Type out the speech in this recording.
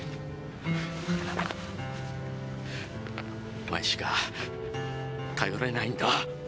お前しか頼れないんだ。